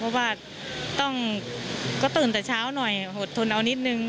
เพราะว่าต้องก็ตื่นแต่เช้าหน่อยหดทนเอานิดนึง